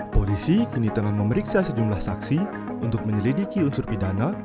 polisi kini tengah memeriksa sejumlah saksi untuk menyelidiki unsur pidana